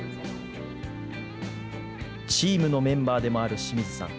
チームのメンバーでもある清水さん。